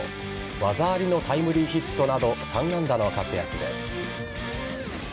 技ありのタイムリーヒットなど３安打の活躍です。